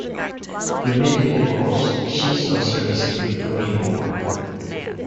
Remaining with the Corps, she saw service during the Korean War.